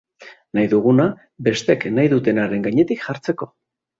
Nahi duguna, besteek nahi dutenaren gainetik jartzeko.